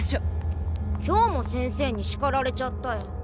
今日も先生にしかられちゃったよ。